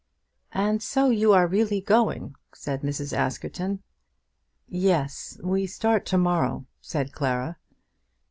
"And so you are really going?" said Mrs. Askerton. "Yes; we start to morrow," said Clara.